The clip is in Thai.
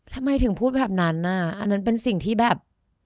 ทำไมถึงพูดแบบนั้นอ่ะอันนั้นเป็นสิ่งที่แบบ